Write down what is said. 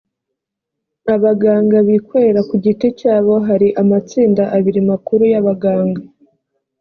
abaganga bikorera ku giti cyabo hari amatsinda abiri makuru y abaganga